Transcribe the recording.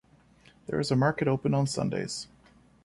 There is a market open on Sundays.